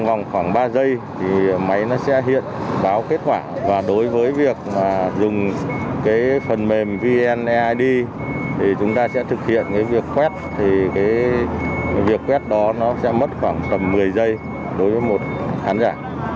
vn eid thì chúng ta sẽ thực hiện cái việc quét thì cái việc quét đó nó sẽ mất khoảng tầm một mươi giây đối với một khán giả